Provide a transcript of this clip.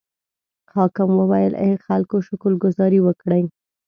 حاکم وویل: ای خلکو شکر ګذاري وکړئ.